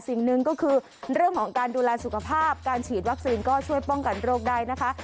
สิ่งหนึ่งก็คือเรื่องของการดูแลสุขภาพการฉีดวัคซีนก็ช่วยป้องกันโรคได้นะคะ